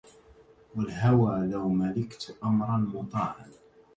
والهوى لو ملكت أمرا مطاعا